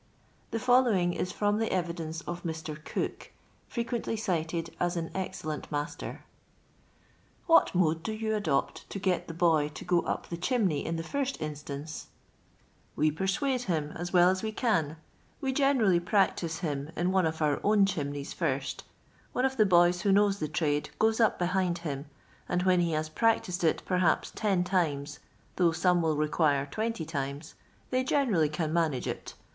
The following is from the evidence of Mr. Cook, frequently cited as an excellent master :—" What mode do you adopt to get the boy to go up the chimney in the flrst instance ?— We per suade him as well as we can; we generally practise him in one of our own chimneys flrst ; one of the boys who knows the trade goes up behind him, and when he has practised it perhaps ten times, though some will require twenty times, they generally can manage it.